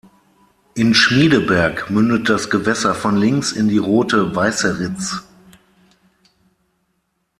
In Schmiedeberg mündet das Gewässer von links in die Rote Weißeritz.